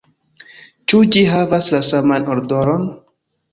Ĉu ĝi havas la saman odoron?